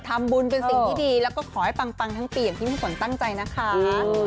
ทำบุญเป็นสิ่งที่ดีแล้วก็ขอให้ปังทั้งปีอย่างที่พี่ฝนตั้งใจนะคะ